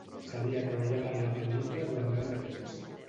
S'havia treballat en la pel·lícula durant molt de temps.